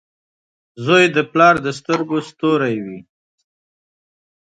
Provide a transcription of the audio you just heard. • زوی د پلار د سترګو ستوری وي.